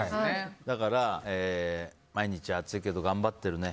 だから、毎日暑いけど頑張ってるね。